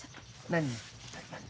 何？